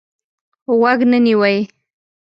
غوږ نه نیوی.